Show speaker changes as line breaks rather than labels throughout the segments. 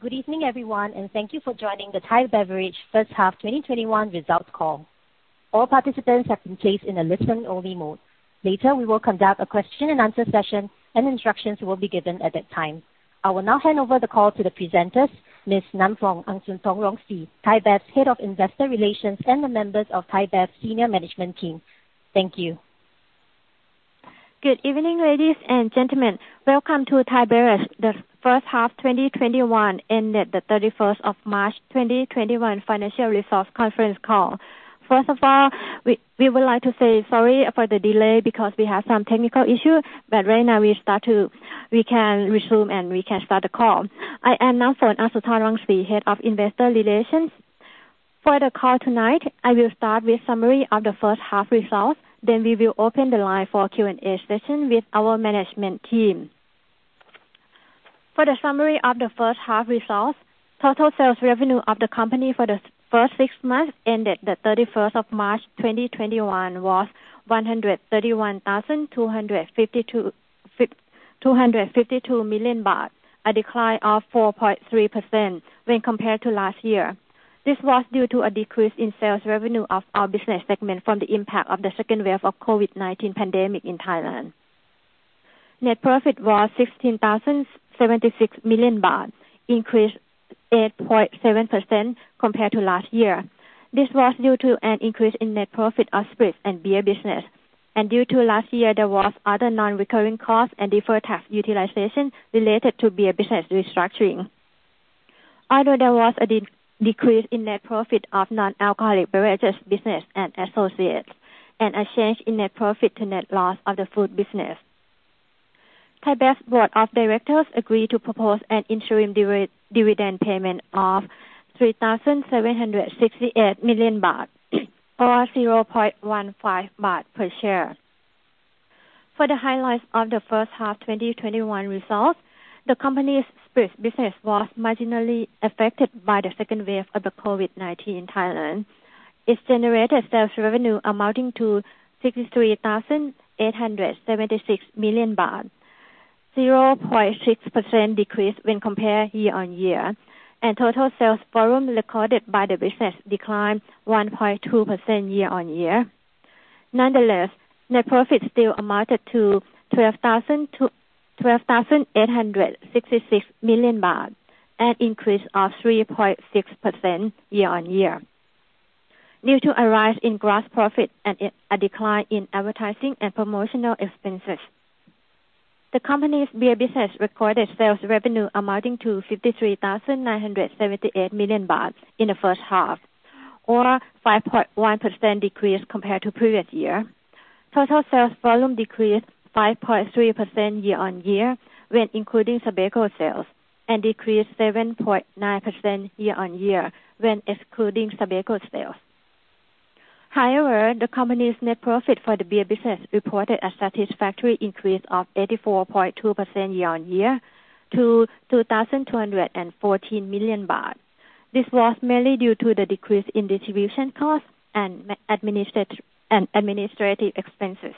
Good evening, everyone, and thank you for joining the Thai Beverage first half 2021 results call. All participants have been placed in a listen-only mode. Later, we will conduct a question and answer session, and instructions will be given at that time. I will now hand over the call to the presenters, Ms. Namfon Aungsutornrungsi, ThaiBev's Head of Investor Relations, and the members of ThaiBev senior management team. Thank you.
Good evening, ladies and gentlemen. Welcome to ThaiBev, the first half 2021 ended the 31st of March 2021 financial results conference call. First of all, we would like to say sorry for the delay because we have some technical issue. Right now we can resume, and we can start the call. I am Namfon Aungsutornrungsi, Head of Investor Relations. For the call tonight, I will start with summary of the first half results, then we will open the line for Q&A session with our management team. For the summary of the first half results, total sales revenue of the company for the first six months ended the 31st of March 2021 was 131,252 million baht, a decline of 4.3% when compared to last year. This was due to a decrease in sales revenue of our business segment from the impact of the second wave of COVID-19 pandemic in Thailand. Net profit was 16,076 million baht, increased 8.7% compared to last year. This was due to an increase in net profit of spirits and beer business, and due to last year, there was other non-recurring costs and deferred tax utilization related to beer business restructuring. Although there was a decrease in net profit of non-alcoholic beverages business and associates, and a change in net profit to net loss of the food business. ThaiBev's board of directors agreed to propose an interim dividend payment of 3,768 million baht or 0.15 baht per share. For the highlights of the first half 2021 results, the company's spirits business was marginally affected by the second wave of the COVID-19 in Thailand. It's generated sales revenue amounting to 63,876 million baht, 0.6% decrease when compared year on year, and total sales volume recorded by the business declined 1.2% year on year. Nonetheless, net profit still amounted to 12,866 million baht, an increase of 3.6% year on year, due to a rise in gross profit and a decline in advertising and promotional expenses. The company's beer business recorded sales revenue amounting to 53,978 million baht in the first half, or 5.1% decrease compared to previous year. Total sales volume decreased 5.3% year on year when including SABECO sales, and decreased 7.9% year on year when excluding SABECO sales. However, the company's net profit for the beer business reported a satisfactory increase of 84.2% year on year to 2,214 million baht. This was mainly due to the decrease in distribution costs and administrative expenses.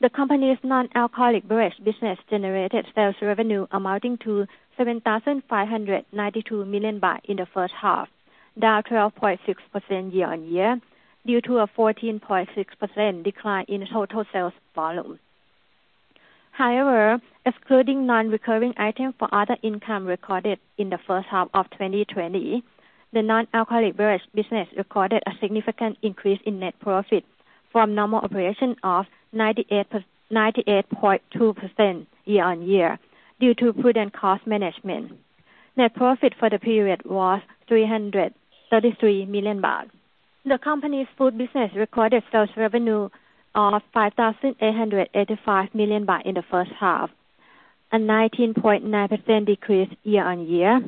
The company's non-alcoholic beverage business generated sales revenue amounting to 7,592 million baht in the first half, down 12.6% year-on-year, due to a 14.6% decline in total sales volume. However, excluding non-recurring item for other income recorded in the first half of 2020, the non-alcoholic beverage business recorded a significant increase in net profit from normal operation of 98.2% year-on-year due to prudent cost management. Net profit for the period was 333 million baht. The company's food business recorded sales revenue of 5,885 million baht in the first half, a 19.9% decrease year-on-year.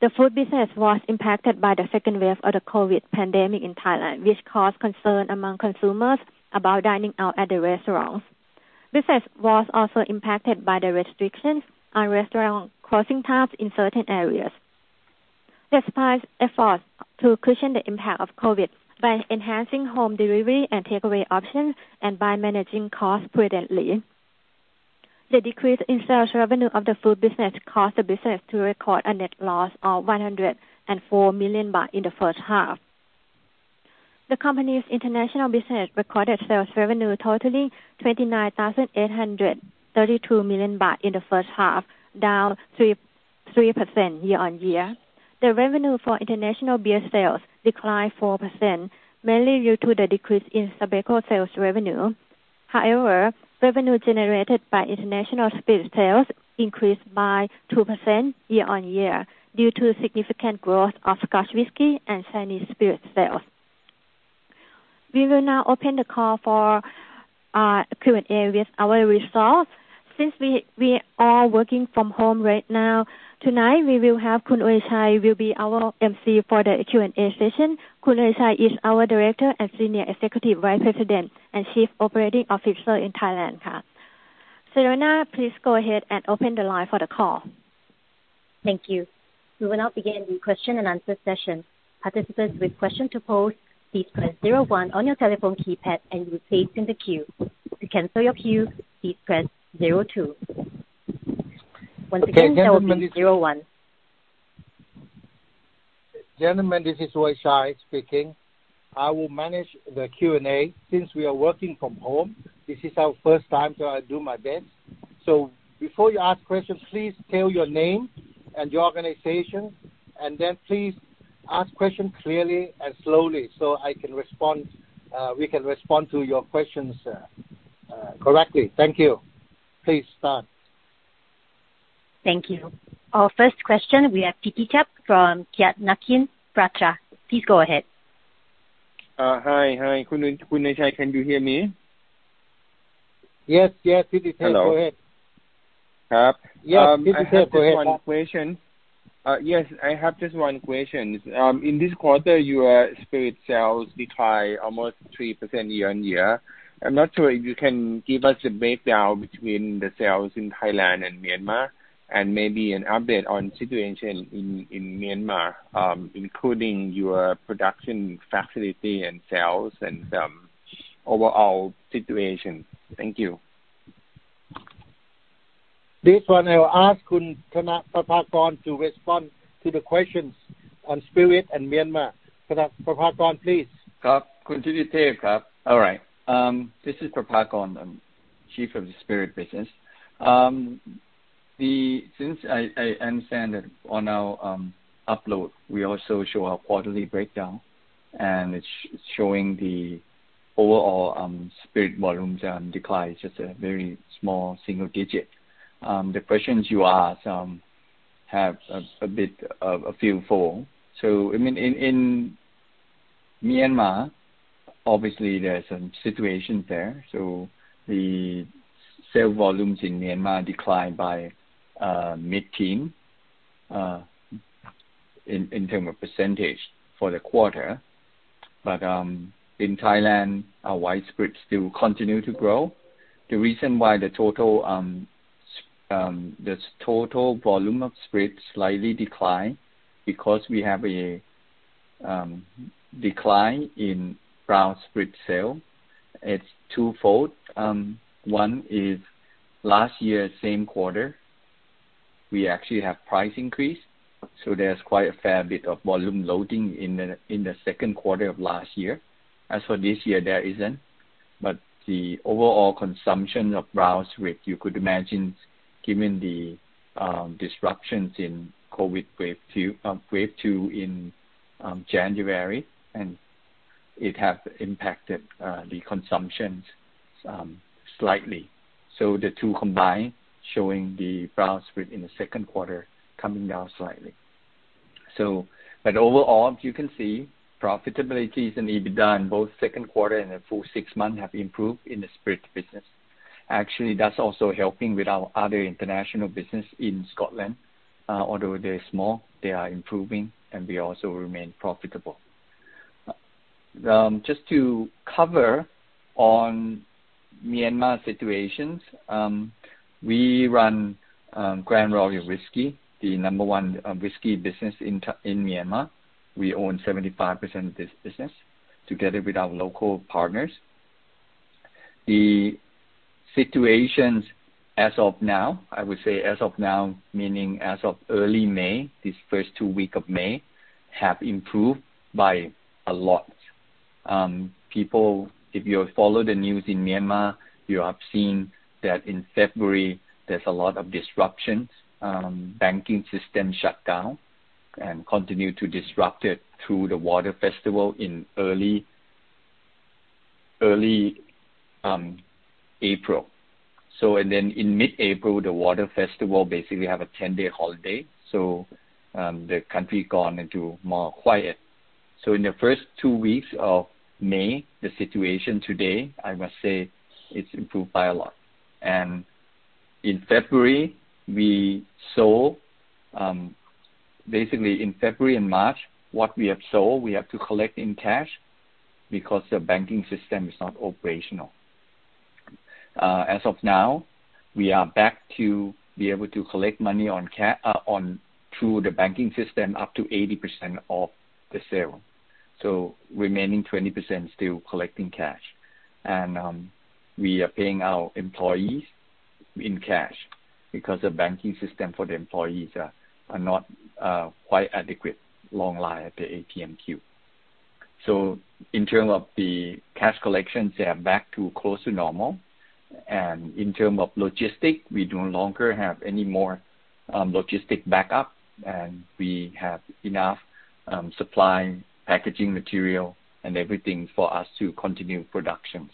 The food business was impacted by the second wave of the COVID pandemic in Thailand, which caused concern among consumers about dining out at the restaurants. Business was also impacted by the restrictions on restaurant closing times in certain areas. Despite efforts to cushion the impact of COVID by enhancing home delivery and takeaway options and by managing costs prudently, the decrease in sales revenue of the food business caused the business to record a net loss of 104 million baht in the first half. The company's international business recorded sales revenue totaling 29,832 million baht in the first half, down 3% year-on-year. Revenue for international beer sales declined 4%, mainly due to the decrease in SABECO sales revenue. Revenue generated by international spirits sales increased by 2% year-on-year due to significant growth of Scotch whisky and Chinese spirit sales. We will now open the call for Q&A with our results. Since we are all working from home right now, tonight we will have Khun Ueychai will be our MC for the Q&A session. Khun Ueychai is our Director and Senior Executive Vice President and Chief Operating Officer in Thailand Bev. Right now, please go ahead and open the line for the call. Thank you.
We will now begin the question and answer session. Participants with question to pose, please press zero one on your telephone keypad and you will stay in the queue. To cancel your queue, please press zero two. Once again, zero one.
Gentlemen, this is Ueychai speaking. I will manage the Q&A since we are working from home. This is our first time. I will do my best. Before you ask questions, please tell your name and your organization, and then please ask questions clearly and slowly so we can respond to your questions correctly. Thank you. Please start.
Thank you. Our first question we have [Piti Kep] from Kiatnakin Phatra. Please go ahead.
Hi. Khun Ueychai, can you hear me?
Yes, [Piti Kep]. Go ahead.
Hello.
Yes, Piti Kep, go ahead.
Yes, I have just one question. In this quarter, your spirit sales declined almost 3% year-on-year. I'm not sure if you can give us a breakdown between the sales in Thailand and Myanmar, and maybe an update on situation in Myanmar, including your production facility and sales and overall situation. Thank you.
This one I will ask Khun Prapakon to respond to the questions on spirit and Myanmar. Prapakon, please.
All right. This is Prapakon, chief of the spirit business. Since I understand that on our upload, we also show our quarterly breakdown, and it's showing the overall spirit volumes decline, just a very small single digit. The questions you asked have a bit of a feel for. In Myanmar, obviously there are some situations there. The sale volumes in Myanmar declined by mid-teen, in term of percentage for the quarter. In Thailand, our white spirit still continue to grow. The reason why the total volume of spirit slightly decline, because we have a decline in brown spirit sale. It's twofold. One is last year, same quarter, we actually have price increase. There's quite a fair bit of volume loading in the second quarter of last year. As for this year, there isn't. The overall consumption of brown spirit, you could imagine, given the disruptions in COVID wave two in January, and it has impacted the consumptions slightly. The two combined, showing the brown spirit in the second quarter coming down slightly. Overall, as you can see, profitability is an EBITDA in both second quarter and the full six month have improved in the spirit business. Actually, that's also helping with our other international business in Scotland. Although they're small, they are improving, and they also remain profitable. Just to cover on Myanmar situations. We run Grand Royal Whisky, the number one whisky business in Myanmar. We own 75% of this business together with our local partners. The situations as of now, I would say as of now, meaning as of early May, these first two week of May, have improved by a lot. If you have followed the news in Myanmar, you have seen that in February there's a lot of disruptions. Banking system shut down and continue to disrupt it through the Water Festival in early April. Then in mid-April, the Water Festival basically have a 10-day holiday. The country gone into more quiet. In the first two weeks of May, the situation today, I must say it's improved by a lot. Basically, in February and March, what we have sold, we have to collect in cash because the banking system is not operational. As of now, we are back to be able to collect money through the banking system up to 80% of the sale. Remaining 20% still collect in cash. We are paying our employees in cash because the banking system for the employees are not quite adequate, long line at the ATM queue. In terms of the cash collections, they are back to close to normal. In terms of logistics, we no longer have any more logistics backup, and we have enough supply, packaging material and everything for us to continue productions.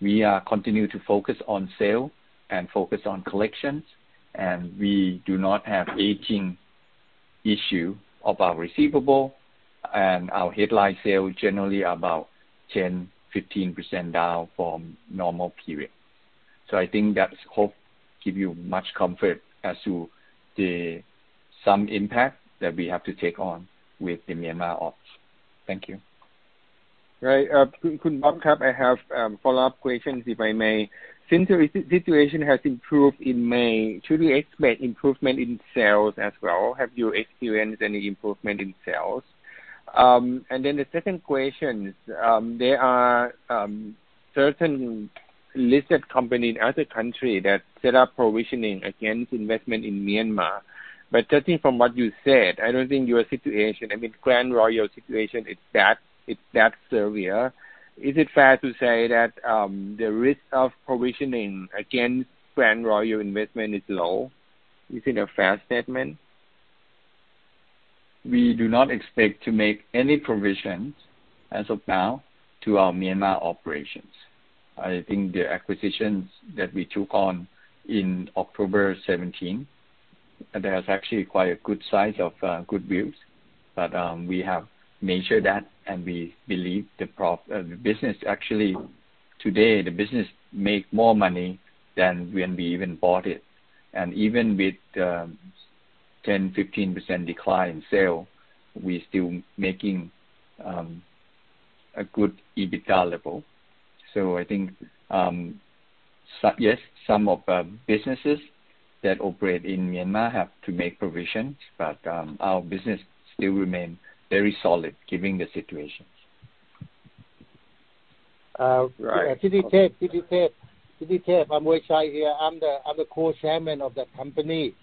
We continue to focus on sale and focus on collections, and we do not have aging issue of our receivable. Our headline sale generally about 10%-15% down from normal period. I think that scope gives you much comfort as to some impact that we have to take on with the Myanmar ops. Thank you.
Right. Khun [Namfon], I have follow-up questions, if I may. Since the situation has improved in May, should we expect improvement in sales as well? Have you experienced any improvement in sales? The second question, there are certain listed companies in other country that set up provisioning against investment in Myanmar. Judging from what you said, I don't think your situation, Grand Royal's situation, is that severe. Is it fair to say that the risk of provisioning against Grand Royal investment is low? Is it a fair statement?
We do not expect to make any provisions as of now to our Myanmar operations. I think the acquisitions that we took on in October 2017, there is actually quite a good size of good deals. We have measured that, and we believe the business actually, today, the business make more money than when we even bought it. Even with 10%-15% decline in sale, we're still making a good EBITDA level. I think, yes, some of our businesses that operate in Myanmar have to make provisions, but our business still remain very solid given the situations.
Right. Okay.
[Kiti Kep], I'm Ueychai here. I'm the co-chairman of the company.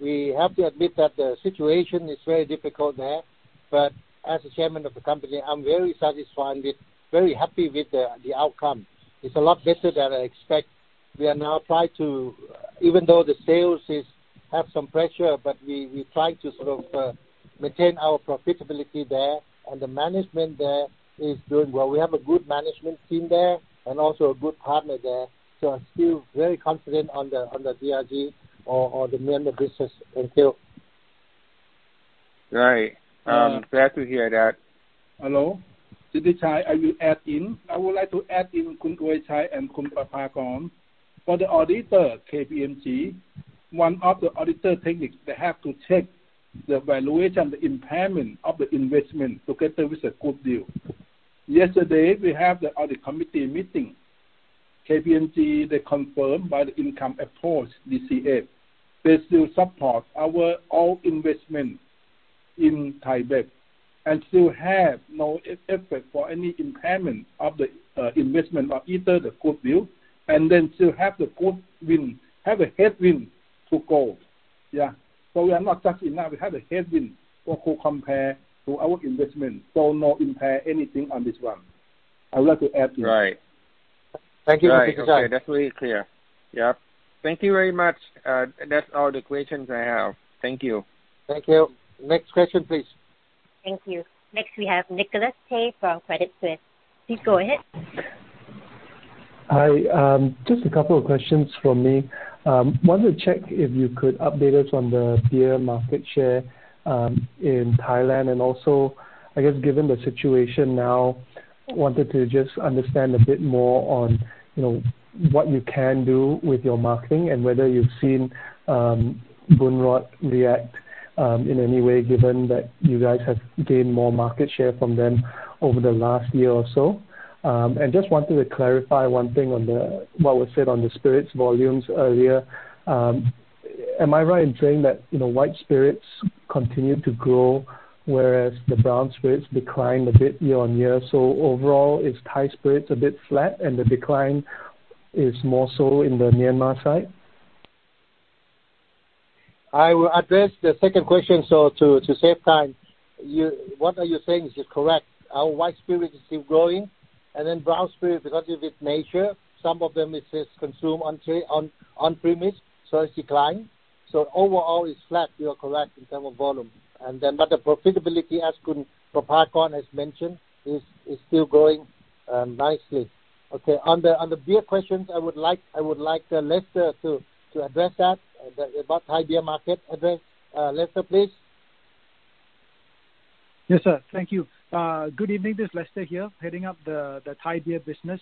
We have to admit that the situation is very difficult there. As the chairman of the company, I'm very satisfied with, very happy with the outcome. It's a lot better than I expect. Even though the sales have some pressure, we try to sort of maintain our profitability there. The management there is doing well. We have a good management team there. Also a good partner there. I'm still very confident on the GRG or the Myanmar business until.
Right. Glad to hear that.
Hello. Sithichai, I will add in. I would like to add in Khun Ueychai and Khun Prapakon. For the auditor, KPMG, one of the auditor techniques, they have to check the valuation, the impairment of the investment together with the goodwill. Yesterday, we have the audit committee meeting. KPMG, they confirm by the income approach, DCF. They still support our all investment in ThaiBev and still have no effect for any impairment of the investment of either the goodwill and then still have the goodwill, have a headwind to go. Yeah. We are not touched enough. We have a headwind for who compare to our investment, so no impair anything on this one. I would like to add this.
Right.
Thank you, Sithichai.
Right. Okay, that's really clear. Yep. Thank you very much. That's all the questions I have. Thank you.
Thank you. Next question, please.
Thank you. Next, we have Nicholas Teh from Credit Suisse. Please go ahead.
Hi. Just two questions from me. Wanted to check if you could update us on the beer market share in Thailand, and also, I guess given the situation now, wanted to just understand a bit more on what you can do with your marketing and whether you've seen Boon Rawd react in any way, given that you guys have gained more market share from them over the last year or so. Just wanted to clarify one thing on what was said on the spirits volumes earlier. Am I right in saying that white spirits continued to grow, whereas the brown spirits declined a bit year-on-year? Overall, is Thai spirits a bit flat and the decline is more so in the Myanmar side?
I will address the second question so to save time. What are you saying is correct. Our white spirit is still growing, and then brown spirit, because of its nature, some of them is consumed on-premise, so it decline. Overall, it's flat, you are correct in term of volume. The profitability, as Khun Prapakon has mentioned, is still growing nicely. Okay. On the beer questions, I would like Lester to address that, about Thai beer market address. Lester, please.
Yes, sir. Thank you. Good evening. This is Lester here, heading up the Thai beer business.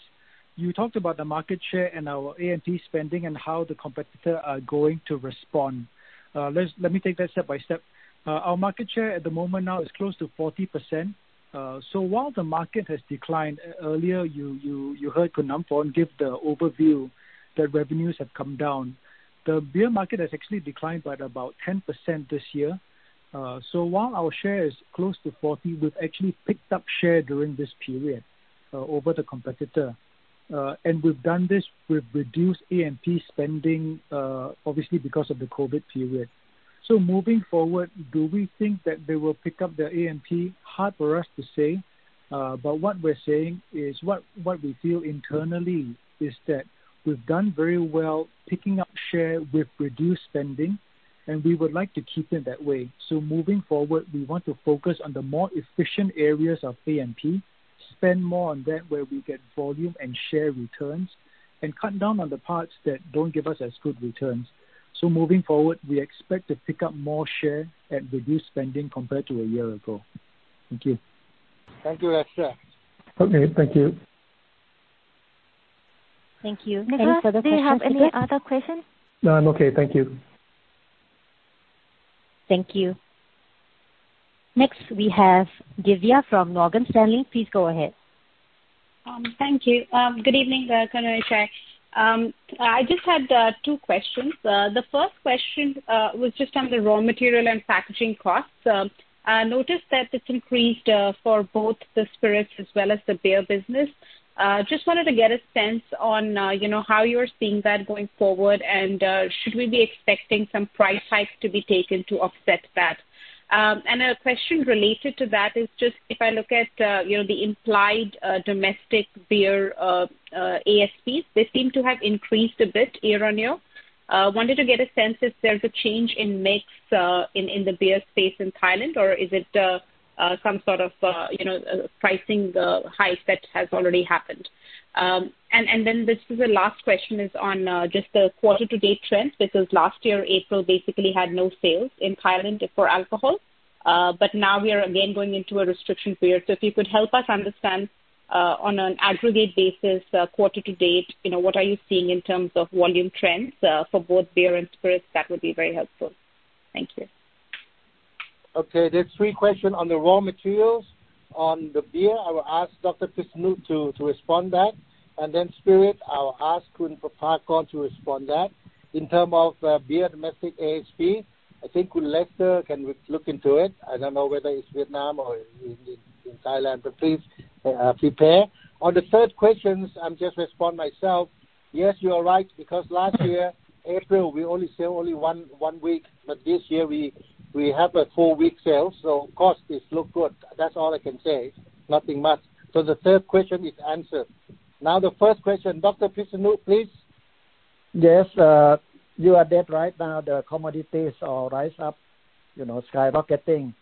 You talked about the market share and our A&P spending and how the competitor are going to respond. Let me take that step by step. Our market share at the moment now is close to 40%. While the market has declined, earlier you heard Khun Namfon give the overview that revenues have come down. The beer market has actually declined by about 10% this year. While our share is close to 40%, we've actually picked up share during this period over the competitor. We've done this with reduced A&P spending, obviously because of the COVID period. Moving forward, do we think that they will pick up their A&P? Hard for us to say. What we're saying is what we feel internally is that we've done very well picking up share with reduced spending, and we would like to keep it that way. Moving forward, we want to focus on the more efficient areas of A&P, spend more on that where we get volume and share returns, and cut down on the parts that don't give us as good returns. Moving forward, we expect to pick up more share at reduced spending compared to a year ago. Thank you.
Thank you, Lester.
Okay, thank you.
Thank you. Any further questions? Do you have any other questions?
No, I'm okay. Thank you.
Thank you. Next, we have Divya from Morgan Stanley. Please go ahead.
Thank you. Good evening, Khun Ueychai. I just had two questions. The first question was just on the raw material and packaging costs. I noticed that it's increased for both the spirits as well as the beer business. Just wanted to get a sense on how you're seeing that going forward, and should we be expecting some price hikes to be taken to offset that? A question related to that is just, if I look at the implied domestic beer ASPs, they seem to have increased a bit year-on-year. Wanted to get a sense if there's a change in mix in the beer space in Thailand, or is it some sort of pricing hike that has already happened? This is the last question is on just the quarter-to-date trends, because last year April basically had no sales in Thailand for alcohol. Now we are again going into a restriction period. If you could help us understand, on an aggregate basis, quarter to date, what are you seeing in terms of volume trends for both beer and spirits, that would be very helpful. Thank you.
Okay. There's three question on the raw materials. On the beer, I will ask Dr. Pisanu to respond that. Spirit, I will ask Khun Prapakon to respond that. In terms of beer domestic ASP, I think Khun Lester can look into it. I don't know whether it's Vietnam or in Thailand, but please prepare. On the third questions, I'm just respond myself. Yes, you are right, because last year, April, we only sell only one week, but this year we have a four-week sale, so cost is look good. That's all I can say. Nothing much. The third question is answered. Now the first question, Dr. Pisanu, please.
Yes. You are dead right. The commodities all rise up, skyrocketing.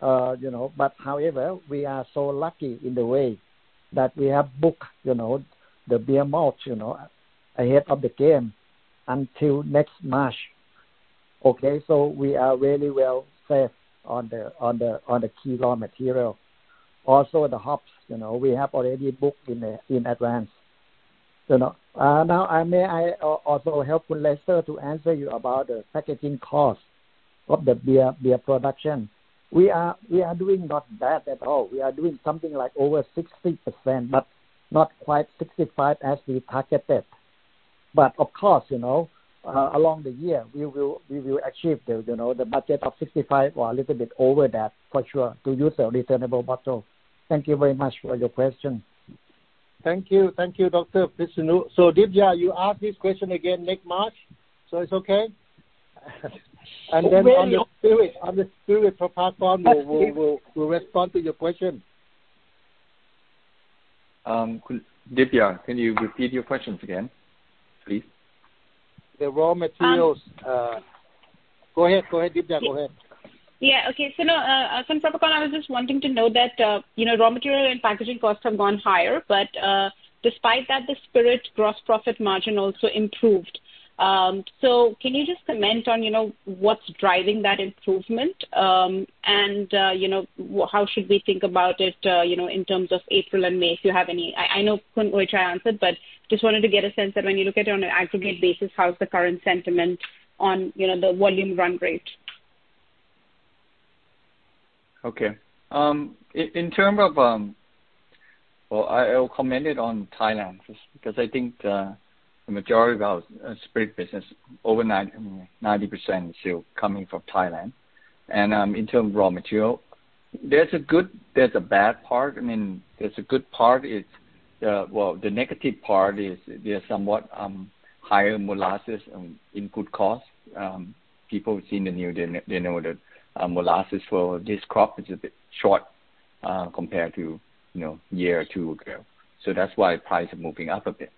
However, we are so lucky in the way that we have booked the beer malt, ahead of the game until next March. We are really well set on the key raw material. Also, the hops, we have already booked in advance. May I also help Khun Lester to answer you about the packaging cost of the beer production. We are doing not bad at all. We are doing something like over 60%, but not quite 65% as we targeted. Of course, along the year, we will achieve the budget of 65% or a little bit over that for sure to use a returnable bottle. Thank you very much for your question.
Thank you. Thank you, Dr. Pisanu. Divya, you ask this question again next March? It's okay?
Very.
On the spirit, Prapakon will respond to your question.
Divya, can you repeat your questions again, please?
The raw materials. Go ahead, Divya. Go ahead.
Okay. Prapakon, I was just wanting to know that raw material and packaging costs have gone higher, but despite that, the spirit gross profit margin also improved. Can you just comment on what's driving that improvement, and how should we think about it in terms of April and May, if you have any I know Khun Ueychai answered, but just wanted to get a sense that when you look at it on an aggregate basis, how is the current sentiment on the volume run rate?
Okay. I will comment it on Thailand first, because I think the majority of our spirit business, over 90%, is still coming from Thailand. In terms of raw material, there's a bad part. The negative part is there's somewhat higher molasses input cost. People who've seen the news, they know that molasses for this crop is a bit short compared to year or two ago. That's why price is moving up a bit.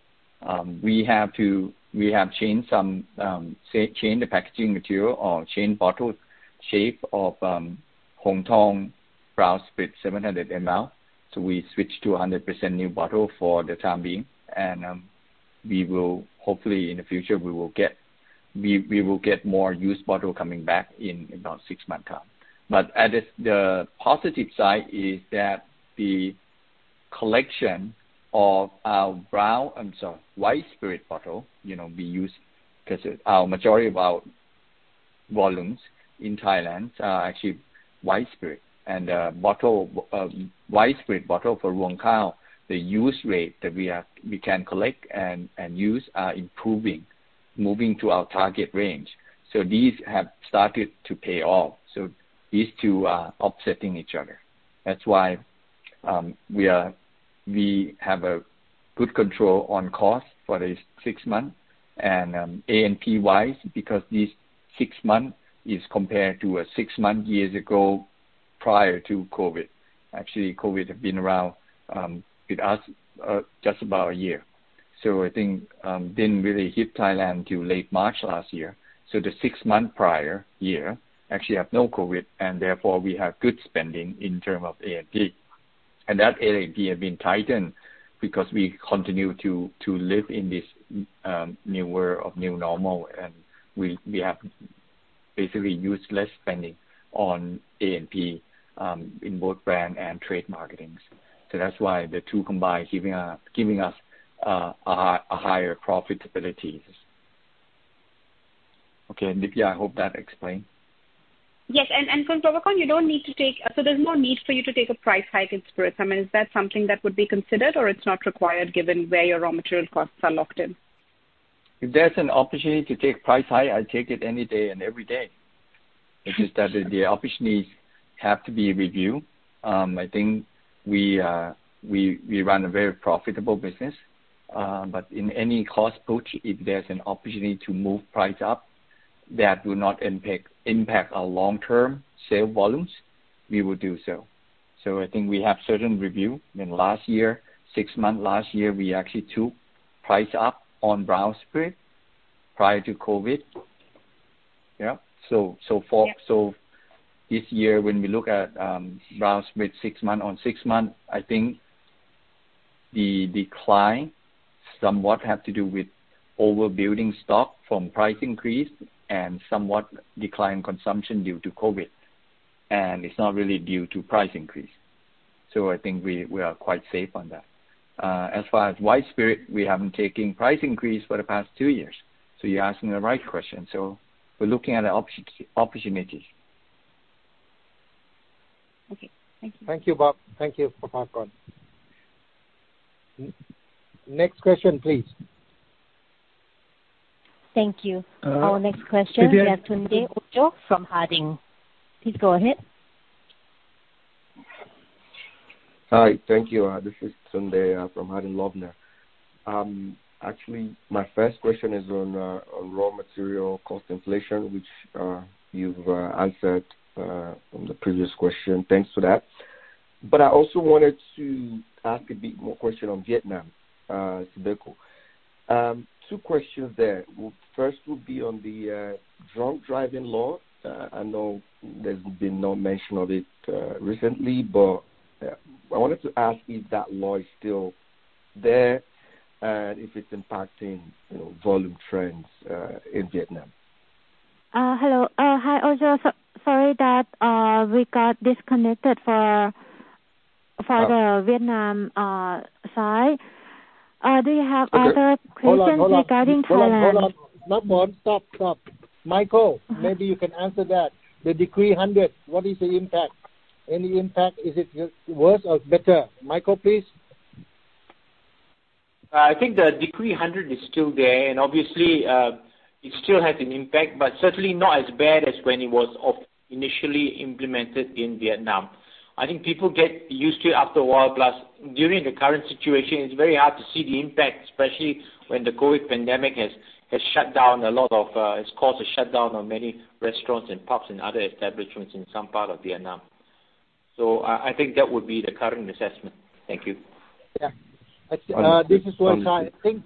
We have changed the packaging material or changed bottle shape of Hong Thong brown spirit 700 mL. We switched to 100% new bottle for the time being, and hopefully, in the future, we will get more used bottle coming back in about six-month time. The positive side is that the collection of our white spirit bottle, we use, because our majority of our volumes in Thailand are actually white spirit. White spirit bottle for Ruang Khao, the use rate that we can collect and use are improving, moving to our target range. These have started to pay off. These two are offsetting each other. That's why we have a good control on cost for this six month. A&P wise, because this six month is compared to a six month years ago, prior to COVID. Actually, COVID have been around with us just about a year. I think didn't really hit Thailand till late March last year. The six month prior year actually have no COVID, and therefore we have good spending in term of A&P. That A&P have been tightened because we continue to live in this new world of new normal, and we have Basically use less spending on A&P in both brand and trade marketings. That's why the two combined giving us a higher profitability. Okay, Divya, I hope that explained.
Yes. For Prapakon, there's no need for you to take a price hike in spirit. Is that something that would be considered or it's not required given where your raw material costs are locked in?
If there's an opportunity to take price hike, I'll take it any day and every day. It's just that the opportunities have to be reviewed. I think we run a very profitable business, but in any cost approach, if there's an opportunity to move price up that will not impact our long-term sale volumes, we will do so. I think we have certain review. In last year, six months last year, we actually took price up on brown spirit prior to COVID. Yeah. This year, when we look at brown spirit on six months, I think the decline somewhat have to do with overbuilding stock from price increase and somewhat decline consumption due to COVID, and it's not really due to price increase. I think we are quite safe on that. As far as white spirit, we haven't taken price increase for the past two years. You're asking the right question. We're looking at the opportunities.
Okay. Thank you.
Thank you, Prapakon. Next question, please.
Thank you. Our next question we Tunde Ojo from Harding. Please go ahead.
Hi. Thank you. This is Tunde, from Harding Loevner. Actually, my first question is on raw material cost inflation, which you've answered from the previous question. Thanks for that. I also wanted to ask a bit more question on Vietnam, SABECO. Two questions there. First would be on the drunk driving law. I know there's been no mention of it recently, but I wanted to ask if that law is still there and if it's impacting volume trends in Vietnam.
Hello. Hi, Ojo. Sorry that we got disconnected for the Vietnam side. Do you have other-
Okay. Hold on
questions regarding Thailand?
Hold on, Namfon, stop. Michael, maybe you can answer that. The Decree 100, what is the impact? Any impact? Is it worse or better? Michael, please.
I think the Decree 100 is still there, and obviously, it still has an impact, but certainly not as bad as when it was initially implemented in Vietnam. I think people get used to it after a while. During the current situation, it's very hard to see the impact, especially when the COVID pandemic has caused a shutdown on many restaurants and pubs and other establishments in some part of Vietnam. I think that would be the current assessment. Thank you.
Yeah. This is one time. I think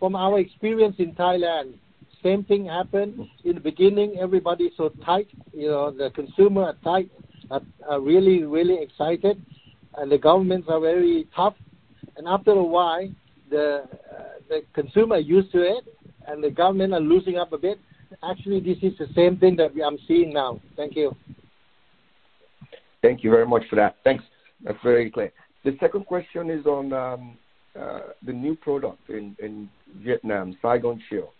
from our experience in Thailand, same thing happened. In the beginning, everybody is so tight. The consumer are tight, are really, really excited, and the governments are very tough. After a while, the consumer are used to it, and the government are loosening up a bit. Actually, this is the same thing that I'm seeing now. Thank you.
Thank you very much for that. Thanks. That's very clear. The second question is on the new product in Vietnam, Saigon Chill.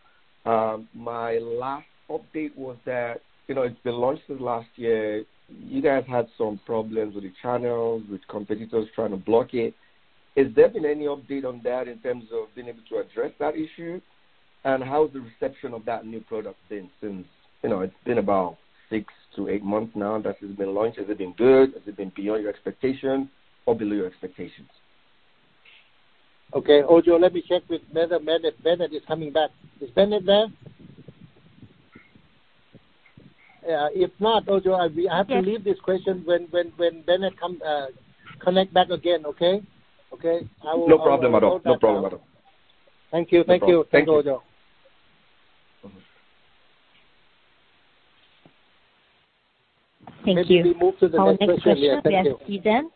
My last update was that it's been launched since last year. You guys had some problems with the channels, with competitors trying to block it. Has there been any update on that in terms of being able to address that issue? How has the reception of that new product been since it's been about six to eight months now that it's been launched? Has it been good? Has it been beyond your expectation or below your expectations?
Okay, Ojo, let me check with Bennett. Bennett is coming back. Is Bennett there? If not, Ojo, I have to leave this question when Bennett connect back again, okay?
No problem at all.
I will hold that now.
No problem at all.
Thank you, Ojo.
Okay.
Thank you.
Maybe we move to the next question. Yeah, thank you.
Our next question, we have Cezanne.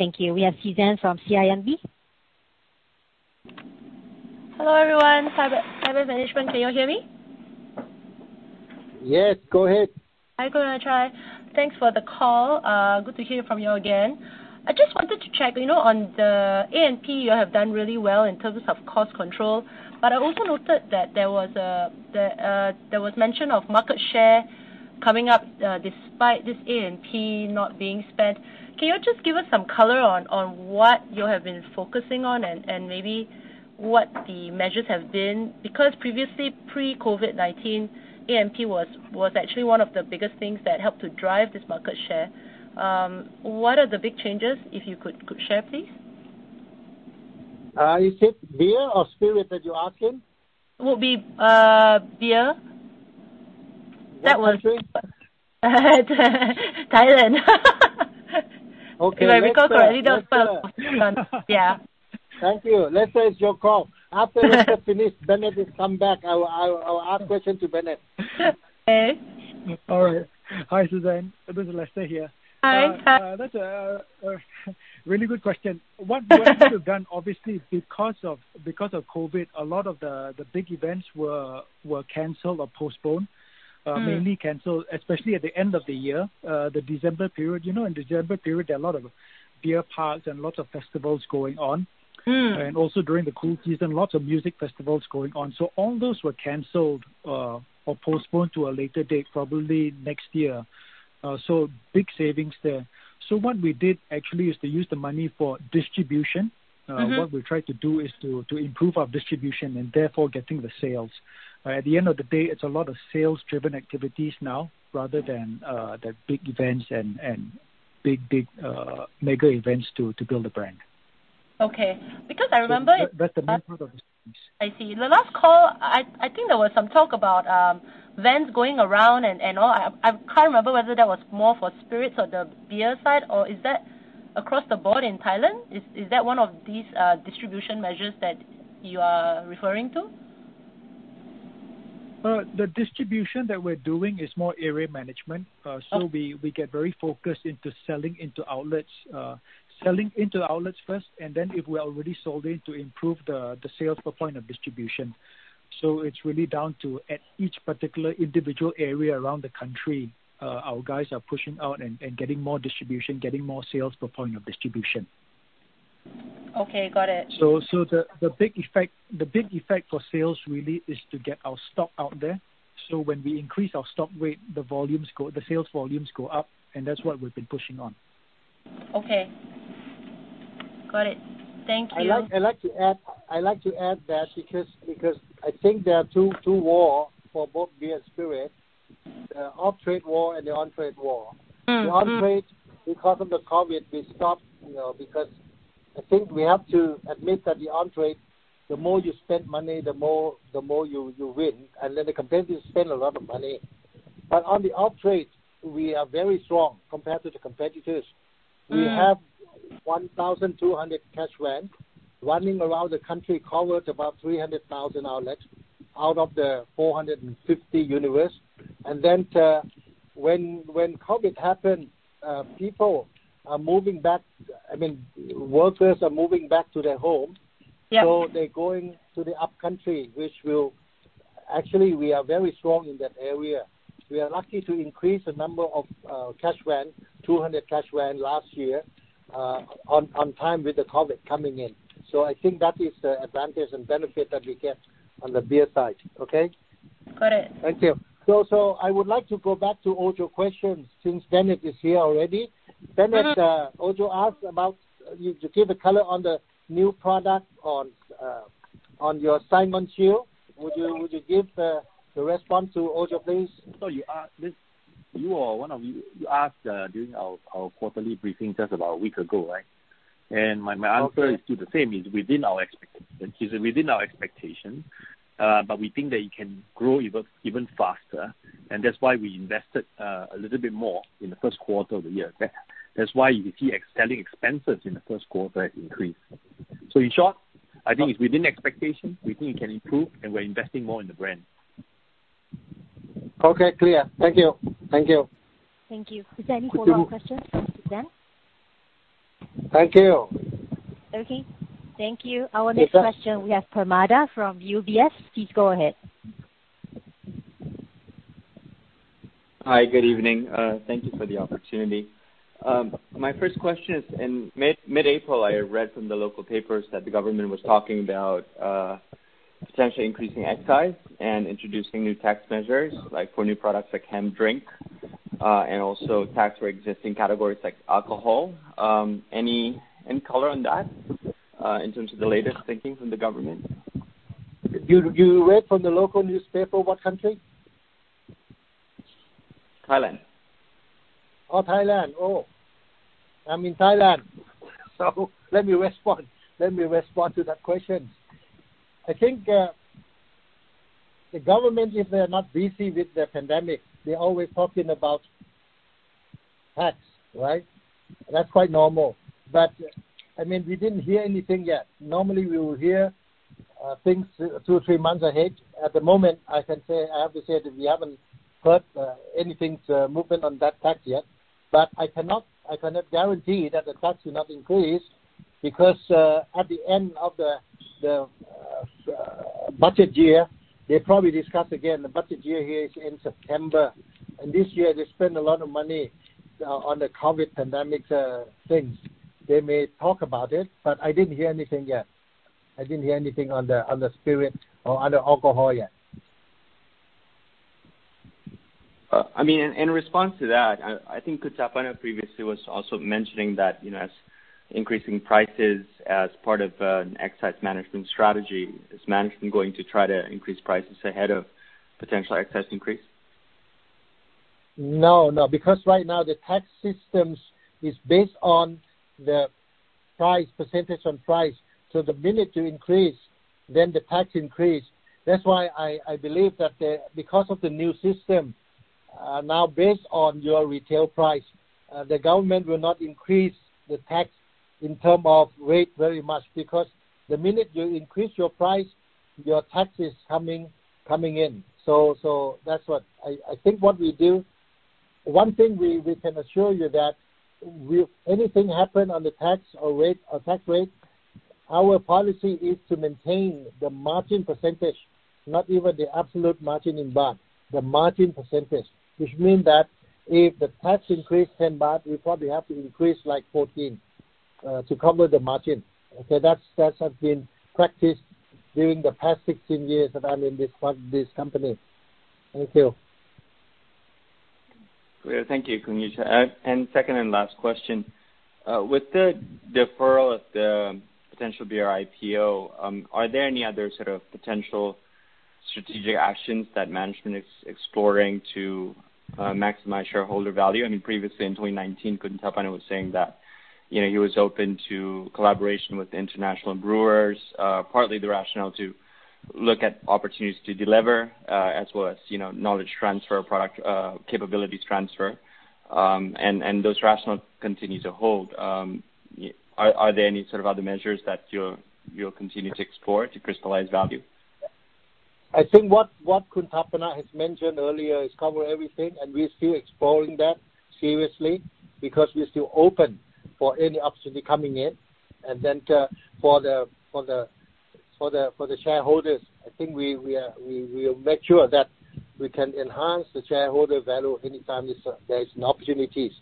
Thank you. We have Cezanne from CIMB.
Hello, everyone. Thai Beverage Management, can you all hear me?
Yes, go ahead.
Hi, Khun Ueychai. Thanks for the call. Good to hear from you again. I just wanted to check, on the A&P, you have done really well in terms of cost control. I also noted that there was mention of market share coming up despite this A&P not being spent. Can you just give us some color on what you have been focusing on and maybe what the measures have been? Previously, pre-COVID-19, A&P was actually one of the biggest things that helped to drive this market share. What are the big changes, if you could share, please?
Is it beer or spirit that you're asking?
It would be beer. That one.
What country?
Thailand.
Okay, Lester.
Where we got already those pubs. Yeah.
Thank you. Lester, it's your call. After Lester finish, Bennett is come back. I will ask question to Bennett.
Okay.
All right. Hi, Cezanne. This is Lester here.
Hi.
That's a really good question. What we would have done, obviously, because of COVID, a lot of the big events were canceled or postponed. Mainly canceled, especially at the end of the year, the December period. In December period, there are a lot of beer parks and lots of festivals going on. Also during the cool season, lots of music festivals going on. All those were canceled or postponed to a later date, probably next year. Big savings there. What we did actually is to use the money for distribution. What we tried to do is to improve our distribution and therefore getting the sales. At the end of the day, it's a lot of sales-driven activities now rather than the big events and big mega events to build a brand.
Okay.
That's the main part of distributions.
I see. The last call, I think there was some talk about vans going around and all. I can't remember whether that was more for spirits or the beer side, or is that across the board in Thailand? Is that one of these distribution measures that you are referring to?
The distribution that we're doing is more area management. We get very focused into selling into outlets. Selling into the outlets first, and then if we are already sold into improve the sales per point of distribution. It's really down to at each particular individual area around the country, our guys are pushing out and getting more distribution, getting more sales per point of distribution.
Okay, got it.
The big effect for sales really is to get our stock out there. When we increase our stock rate, the sales volumes go up, and that's what we've been pushing on.
Okay. Got it. Thank you.
I'd like to add that because I think there are two wars for both beer and spirit, the off-trade war and the on-trade war. The on-trade, because of the COVID, we stop, because I think we have to admit that the on-trade, the more you spend money, the more you win, and then the competitors spend a lot of money. On the off-trade, we are very strong compared to the competitors. We have 1,200 cash van running around the country, covers about 300,000 outlets out of the 450 universe. When COVID happened, people are moving back. Workers are moving back to their home.
Yeah.
They're going to the upcountry. Actually, we are very strong in that area. We are lucky to increase the number of cash van, 200 cash van last year, on time with the COVID coming in. I think that is the advantage and benefit that we get on the beer side. Okay?
Got it.
Thank you. I would like to go back to Ojo questions since Bennett is here already. Bennett, Ojo asked about, you give a color on the new product on your Saigon Chill. Would you give the response to Ojo, please?
You asked during our quarterly briefing just about a week ago, right? My answer is still the same, is within our expectations. We think that it can grow even faster, and that's why we invested a little bit more in the first quarter of the year. That's why you see selling expenses in the first quarter increase. In short, I think it's within expectation, we think it can improve, and we're investing more in the brand.
Okay. Clear. Thank you.
Thank you. Is there any follow-up questions for them?
Thank you.
Okay. Thank you. Our next question, we have Permada from UBS. Please go ahead.
Hi. Good evening. Thank you for the opportunity. My first question is, in mid-April, I read from the local papers that the government was talking about potentially increasing excise and introducing new tax measures, like for new products like canned drink, and also tax for existing categories like alcohol. Any color on that in terms of the latest thinking from the government?
You read from the local newspaper, what country?
Thailand.
Thailand. I'm in Thailand. Let me respond to that question. I think the government, if they're not busy with the pandemic, they're always talking about tax, right? That's quite normal. We didn't hear anything yet. Normally, we will hear things two, three months ahead. At the moment, I have to say that we haven't heard anything moving on that tax yet. I cannot guarantee that the tax will not increase, because at the end of the budget year, they probably discuss again. The budget year here is in September. This year, they spend a lot of money on the COVID pandemic things. They may talk about it, but I didn't hear anything yet. I didn't hear anything on the spirit or on the alcohol yet.
In response to that, I think Khun Thapana previously was also mentioning that as increasing prices as part of an excise management strategy. Is management going to try to increase prices ahead of potential excise increase?
No. Right now the tax systems is based on the percentage on price. The minute you increase, then the tax increase. That's why I believe that because of the new system, now based on your retail price. The government will not increase the tax in term of rate very much, because the minute you increase your price, your tax is coming in. I think what we do, one thing we can assure you that if anything happen on the tax or rate or tax rate, our policy is to maintain the margin percentage, not even the absolute margin in baht, the margin percentage, which mean that if the tax increase 10 baht, we probably have to increase like 14 to cover the margin. Okay. That has been practiced during the past 16 years that I'm in this company. Thank you.
Clear. Thank you, Khun Ueychai. Second and last question. With the deferral of the potential beer IPO, are there any other sort of potential strategic actions that management is exploring to maximize shareholder value? I mean previously in 2019, Khun Thapana was saying that he was open to collaboration with international brewers, partly the rationale to look at opportunities to deliver, as well as knowledge transfer, product capabilities transfer, and those rationale continue to hold. Are there any sort of other measures that you'll continue to explore to crystallize value?
I think what Khun Thapana has mentioned earlier has covered everything, and we're still exploring that seriously because we're still open for any opportunity coming in. For the shareholders, I think we are make sure that we can enhance the shareholder value anytime there's an opportunities.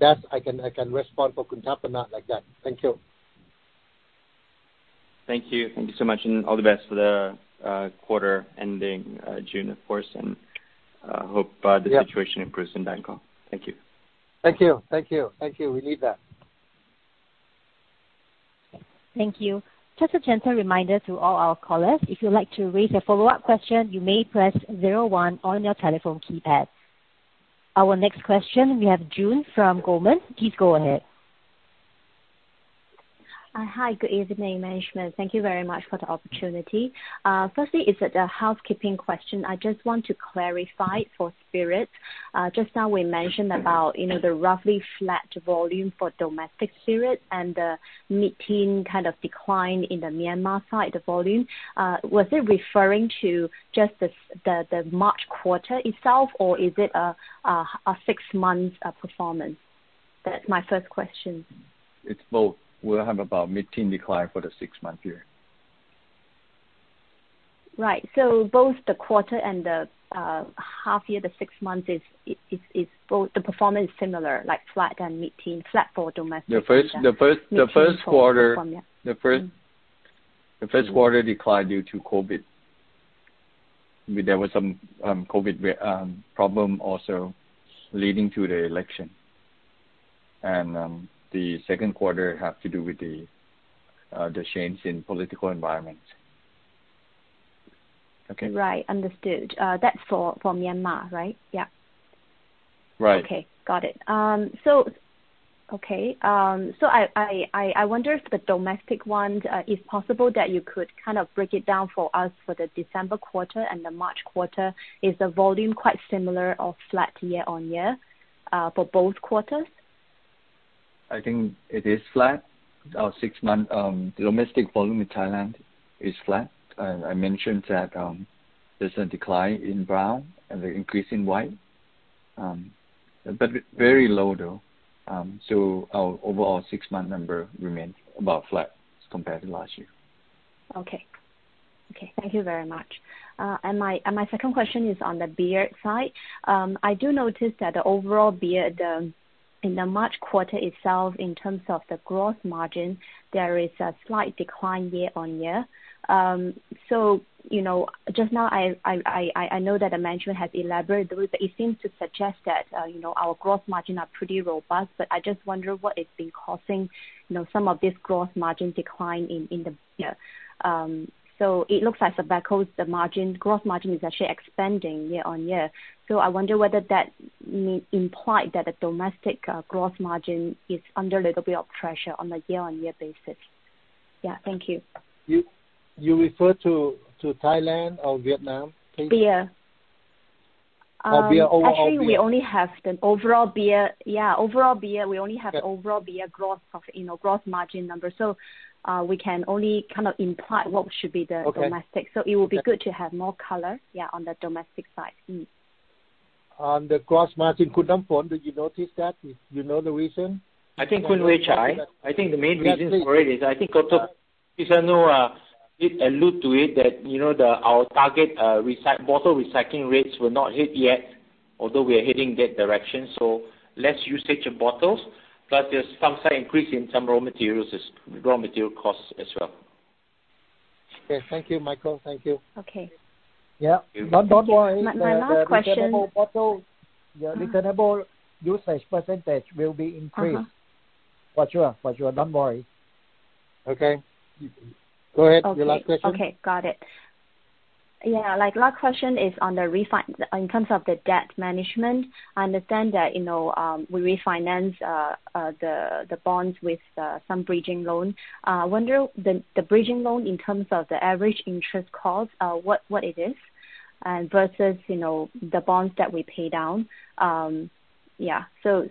That I can respond for Khun Thapana like that. Thank you.
Thank you. Thank you so much and all the best for the quarter ending June, of course I hope the situation improves in Bangkok. Thank you.
Thank you. We need that.
Thank you. Just a gentle reminder to all our callers, if you'd like to raise a follow-up question, you may press zero one on your telephone keypad. Our next question, we have Xuan from Goldman. Please go ahead.
Hi. Good evening, management. Thank you very much for the opportunity. Firstly, it's a housekeeping question. I just want to clarify for spirit. Just now we mentioned about the roughly flat volume for domestic spirit and the mid-teen kind of decline in the Myanmar side volume. Was it referring to just the March quarter itself, or is it a six-month performance? That's my first question.
It's both. We'll have about mid-teen decline for the six-month year.
Right. Both the quarter and the half year, the six months is both the performance is similar, like flat and mid-teen, flat for domestic.
The first quarter declined due to COVID. There was some COVID problem also leading to the election. The second quarter have to do with the change in political environment. Okay.
Right. Understood. That's for Myanmar, right? Yeah.
Right.
Okay. Got it. I wonder if the domestic ones, if possible, that you could break it down for us for the December quarter and the March quarter. Is the volume quite similar or flat year-on-year, for both quarters?
I think it is flat. Our six-month domestic volume in Thailand is flat. I mentioned that there's a decline in brown and the increase in white. Very low, though. Our overall six-month number remains about flat compared to last year.
Okay. Thank you very much. My second question is on the beer side. I do notice that the overall beer, in the March quarter itself, in terms of the gross margin, there is a slight decline year-on-year. Just now I know that the management has elaborated, but it seems to suggest that our gross margin are pretty robust. I just wonder what has been causing some of this gross margin decline in the beer. It looks like the backhold, the gross margin is actually expanding year-on-year. I wonder whether that may imply that the domestic gross margin is under a little bit of pressure on a year-on-year basis. Yeah. Thank you.
You refer to Thailand or Vietnam? Please.
Beer.
Beer, overall beer?
Actually, we only have the overall beer growth margin number. We can only imply what should be the domestic. It would be good to have more color, yeah, on the domestic side.
On the gross margin, Khun [Thammoporn], did you notice that? You know the reason?
I think Khun Ueychai. I think the main reason for it is, I think also Pisanu did allude to it that our target bottle recycling rates were not hit yet, although we are heading that direction. Less usage of bottles, plus there's some slight increase in some raw material costs as well.
Okay. Thank you, Michael. Thank you.
Okay.
Yeah. Don't worry.
My last question.
The returnable bottle, the returnable usage percentage will be increased. For sure. Don't worry. Okay. Go ahead. Your last question.
Okay. Got it. Last question is in terms of the debt management, I understand that we refinance the bonds with some bridging loan. I wonder, the bridging loan in terms of the average interest cost, what it is? Versus the bonds that we pay down. It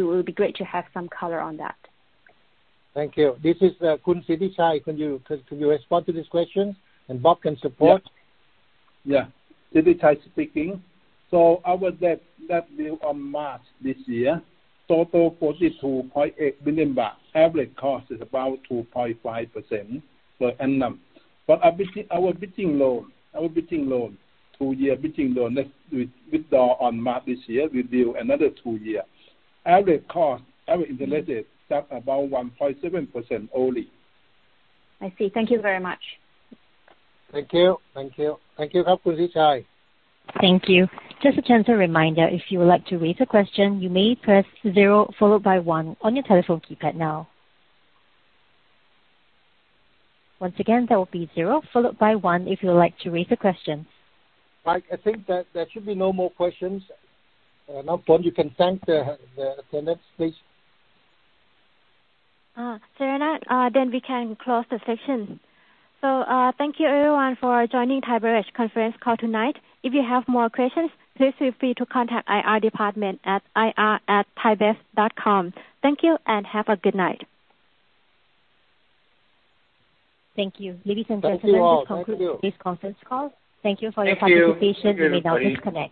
would be great to have some color on that.
Thank you. This is Khun Sithichai. Can you respond to this question? Bob can support.
Yeah. Sithichai speaking. Our debt view on March this year, total 42.8 billion baht. Average cost is about 2.5% per annum. Our bridging loan, two-year bridging loan withdraw on March this year, renew another two year. Average cost, average interest rate is about 1.7% only.
I see. Thank you very much.
Thank you. Thank you. Thank you, Khun Sithichai.
Thank you. Just a gentle reminder, if you would like to raise a question, you may press zero followed by one on your telephone keypad now. Once again, that will be zero followed by one if you would like to raise a question.
Mike, I think that there should be no more questions. Now, Thonn, you can thank the attendees, please.
Sirana, we can close the session. Thank you everyone for joining Thai Beverage conference call tonight. If you have more questions, please feel free to contact IR department at ir@thaibev.com. Thank you and have a good night.
Thank you. Ladies and gentlemen.
Thank you all. Thank you
This concludes today's conference call. Thank you for your participation.
Thank you.
You may now disconnect.